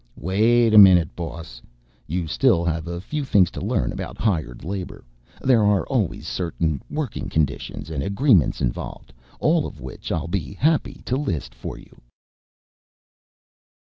"Wait a minute, boss, you still have a few things to learn about hired labor. There are always certain working conditions and agreements involved, all of which I'll be happy to list for you."